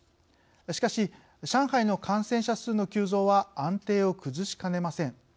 しかし、上海の感染者数の急増は安定を崩しかねません。